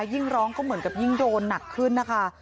ยิ่งร้องก็เหมือนกับยิ่งโดนหนักขึ้นนะคะ